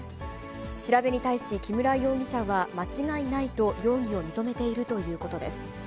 調べに対し木村容疑者は、間違いないと容疑を認めているということです。